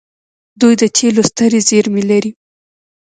دوی د تیلو سترې زیرمې لري.